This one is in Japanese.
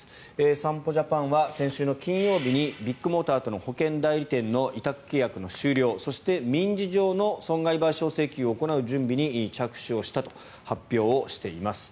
損保ジャパンは先週金曜日にビッグモーターとの保険代理店の委託契約の終了そして民事上の損害賠償請求を行う準備に着手したと発表しています。